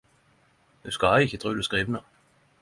Du skal ikkje tru det skrivne